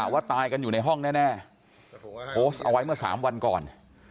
ว่าตายกันอยู่ในห้องแน่โพสต์เอาไว้เมื่อ๓วันก่อน